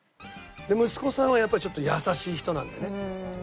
息子さんはやっぱりちょっと優しい人なんだよね。